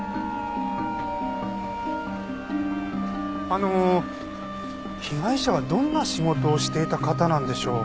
あの被害者はどんな仕事をしていた方なんでしょう？